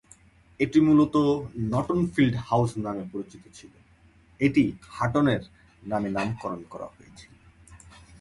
এটি মূলত Norton field house নামে পরিচিত ছিল, এটি হাটনের নামে নামকরণ করা হয়েছিল।